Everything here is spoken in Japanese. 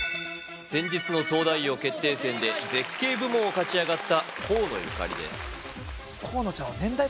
先日の東大王決定戦で絶景部門を勝ち上がった河野ゆかりです